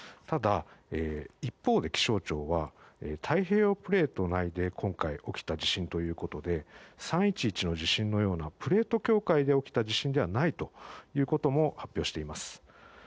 ただ、一方で気象庁は太平洋プレート内で今回起きた地震ということで３・１１の地震のようなプレート境界で起きた地震ではないということも発表しています。